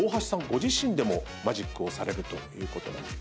ご自身でもマジックをされるということで。